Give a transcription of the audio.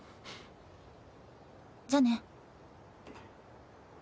じゃあね。